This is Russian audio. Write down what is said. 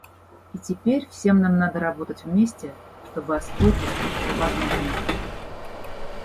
И теперь всем нам надо работать вместе, чтобы освоить искусство возможного.